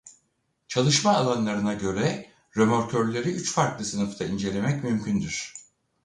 Çalışma alanlarına göre römorkörleri üç farklı sınıfta incelemek mümkündür.